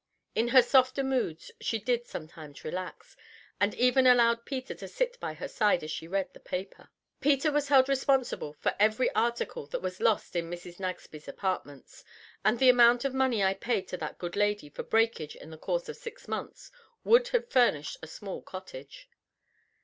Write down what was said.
In her softer moods she did sometimes relax, and even allowed Peter to sit by her side as she read the paper. Peter was held responsible for every article that was lost in Mrs. Nagsby's apartments, and the amount of money I paid to that good lady for breakage in the course of six months would have furnished a small cottage.